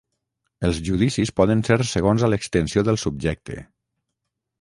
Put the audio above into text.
Els judicis poden ser segons a l'extensió del subjecte: